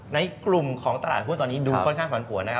ในกลุ่มของตลาดหุ้นตอนนี้ดูค่อนข้างผันผวนนะครับ